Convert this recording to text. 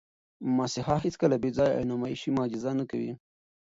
مسیحا هیڅکله بېځایه او نمایشي معجزه نه کوي.